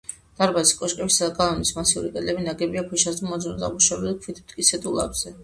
დარბაზის, კოშკების და გალავნის მასიური კედლები ნაგებია ქვიშაქვის მოზრდილი, დამუშავებული ქვით, მტკიცე დუღაბზე.